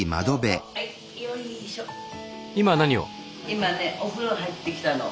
今ねお風呂入ってきたの。